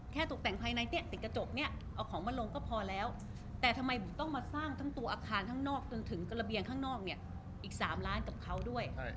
ตกแต่งภายในเนี่ยติดกระจกเนี่ยเอาของมาลงก็พอแล้วแต่ทำไมบุ๋มต้องมาสร้างทั้งตัวอาคารข้างนอกจนถึงกระเบียงข้างนอกเนี่ยอีก๓ล้านกับเขาด้วย